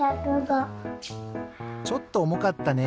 ちょっとおもかったね。